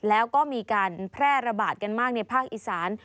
แล้วก็มีการแพร่ระบาดกันมากในภาคอีสาน